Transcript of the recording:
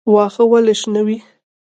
واښه ولې شنه وي؟